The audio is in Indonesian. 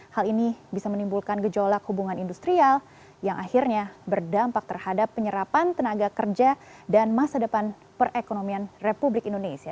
hal ini bisa menimbulkan gejolak hubungan industrial yang akhirnya berdampak terhadap penyerapan tenaga kerja dan masa depan perekonomian republik indonesia